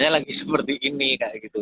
lagi seperti ini kayak gitu